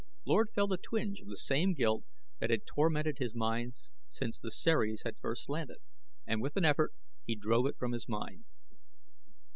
Lord felt a twinge of the same guilt that had tormented his mind since the Ceres had first landed, and with an effort he drove it from his mind.